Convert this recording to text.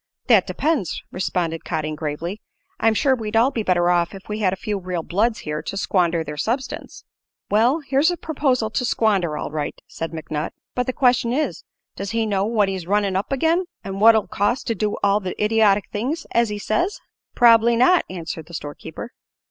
"That depends," responded Cotting, gravely. "I'm sure we'd all be better off if we had a few real bloods here to squander their substance." "Well, here's a perposal to squander, all right," said McNutt. "But the question is, Does he know what he's runnin' up agin', and what it'll cost to do all the idiotic things as he says?" "Prob'ly not," answered the storekeeper.